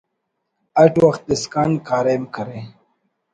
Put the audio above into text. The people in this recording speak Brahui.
اٹ وخت اسکان کاریم کرے